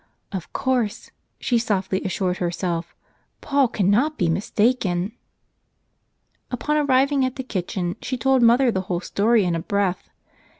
"Of course," she softly assured herself, "Paul cannot be mistaken." Upon arriving at the kitchen, she told mother the whole story in a breath.